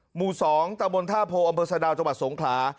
หมู่๒ตะบนท่าโพอำเภอสะดาวจังหวัดสงขลา